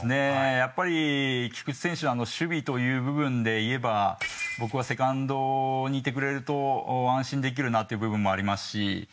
やっぱり菊池選手は守備という部分でいえば僕はセカンドにいてくれると安心できるなという部分もありますし。